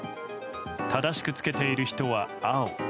正しく着けている人は青。